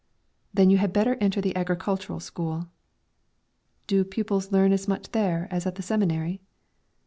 "Then you had better enter the agricultural school." "Do pupils learn as much there as at the seminary?"